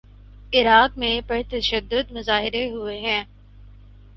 عراق میں پر تشدد مظاہرے ہوئے ہیں۔